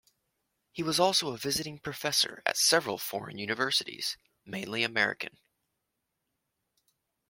He was also a visiting professor at several foreign universities, mainly American.